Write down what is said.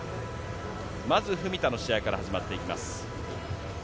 まず文田の試合から始まります。